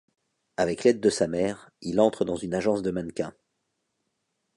Avec l'aide de sa mère il entre dans une agence de mannequins.